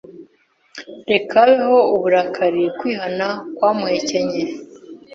Reka habeho uburakari kwihana kwamuhekenye